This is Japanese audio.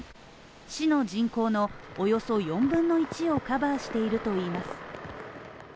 市の人口のおよそ４分の１をカバーしているといいます。